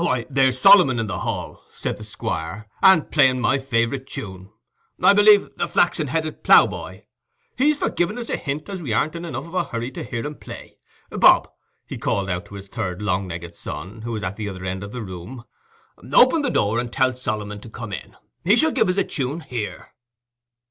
"Why, there's Solomon in the hall," said the Squire, "and playing my fav'rite tune, I believe—"The flaxen headed ploughboy"—he's for giving us a hint as we aren't enough in a hurry to hear him play. Bob," he called out to his third long legged son, who was at the other end of the room, "open the door, and tell Solomon to come in. He shall give us a tune here."